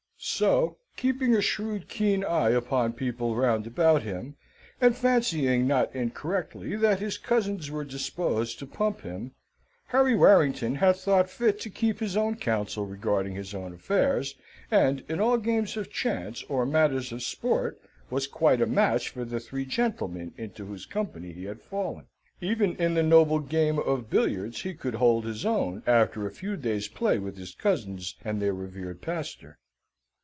So, keeping a shrewd keen eye upon people round about him, and fancying, not incorrectly, that his cousins were disposed to pump him, Harry Warrington had thought fit to keep his own counsel regarding his own affairs, and in all games of chance or matters of sport was quite a match for the three gentlemen into whose company he had fallen. Even in the noble game of billiards he could hold his own after a few days' play with his cousins and their revered pastor.